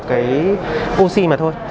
cái oxy mà thôi